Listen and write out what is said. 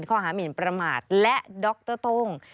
ข้อหามินประมาทและดรต้ง